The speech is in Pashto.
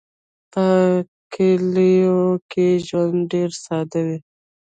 په کلیو کې ژوند ډېر ساده دی.